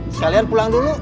sekalian pulang dulu